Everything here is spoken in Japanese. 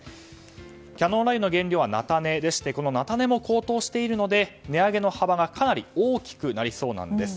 キャノーラ油の原料は菜種でして菜種も高騰しているので値上げの幅がかなり大きくなりそうです。